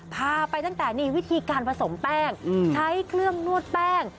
พาไปตั้งแต่นี่วิธีการผสมแป้งใช้เครื่องนวดแป้ง